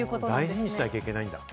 大事にしなきゃいけないんだ。